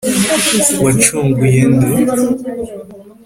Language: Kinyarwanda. wacunguye nde?